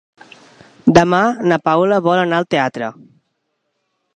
Demà na Paula vol anar al teatre.